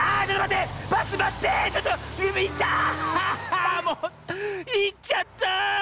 いっちゃった。